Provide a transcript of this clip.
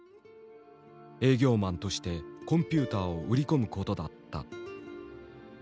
営業マンとしてコンピューターを売り込むことだった。